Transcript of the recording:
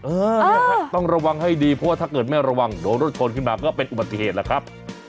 ต้องระวังให้ดีเพราะว่าถ้าเกิดไม่ระวังโดนรถชนขึ้นมาก็เป็นอุบัติเหตุแหละครับ